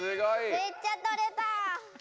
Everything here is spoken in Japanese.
めっちゃとれた！